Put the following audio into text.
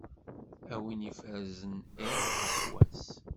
A win iferzen iḍ ɣef wass.